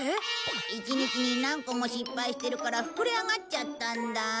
一日に何個も失敗してるから膨れ上がっちゃったんだ。